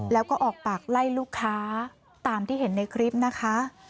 แล้วก็ออกปากไล่ลูกค้าตามที่เห็นในคลิปนะคะ